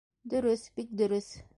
Дөрөҫ, бик дөрөҫ.